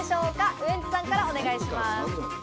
ウエンツさんからお願いします。